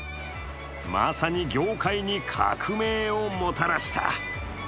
まさに業界に革命をもたらした。